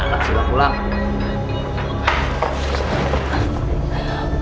setelah atas sudah pulang